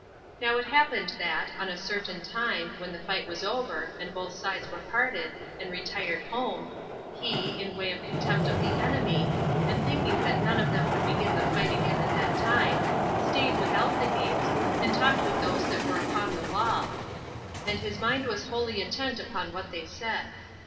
Now it happened that, on a certain time, when the fight was over, and both sides were parted, and retired home, he, in way of contempt of the enemy, and thinking that none of them would begin the fight again at that time, staid without the gates, and talked with those that were upon the wall, and his mind was wholly intent upon what they said.